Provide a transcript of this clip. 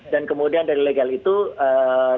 dan kemudian dari legal itu dilakukan secara ekonomi